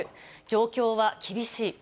状況は厳しい。